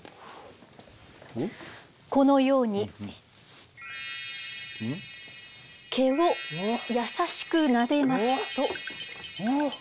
このように毛を優しくなでますと。